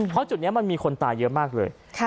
เพราะจุดนี้มันมีคนตายเยอะมากเลย